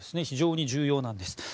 非常に重要なんです。